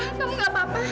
zahira kamu gak apa apa